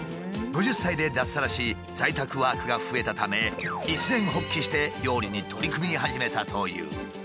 ５０歳で脱サラし在宅ワークが増えたため一念発起して料理に取り組み始めたという。